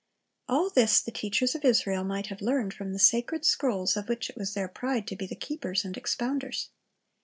All this the teachers of Israel might have learned from the sacred scrolls of which it was their pride to be the keepers and expounders.